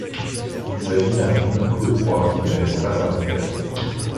Il s'agit d'un film coup de poing, qui ne laisse pas indifférent.